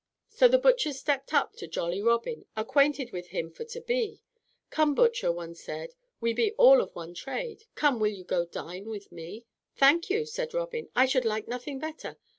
"So, the butchers stepped up to jolly Robin, Acquainted with him for to be; Come, butcher, one said, we be all of one trade, Come, will you go dine with me?" "Thank you," said Robin, "I should like nothing better.